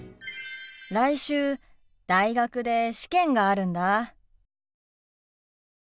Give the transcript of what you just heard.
来週大学で試験があるんだ。